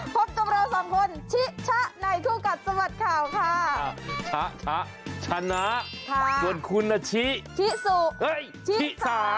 พบกับเราสองคนชิชะในคู่กัดสะบัดข่าวค่ะชะชนะส่วนคุณนาชิชิสุชิสา